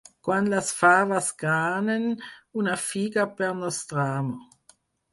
Quan les faves granen, una figa per nostramo.